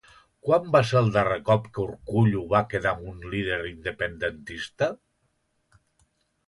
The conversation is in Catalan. Quan va ser el darrer cop que Urkullu va quedar amb un líder independentista?